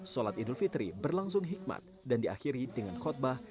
sholat idul fitri berlangsung hikmat dan diakhiri dengan khutbah